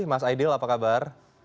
mas aidil apa kabar